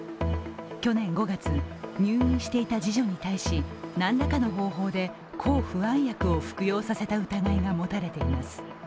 去年５月、入院していた次女に対し何らかの方法で抗不安薬を服用させた疑いが持たれています。